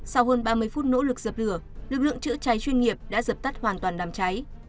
sau hơn ba mươi phút nỗ lực dập lửa lực lượng chữa cháy chuyên nghiệp đã dập tắt hoàn toàn đám cháy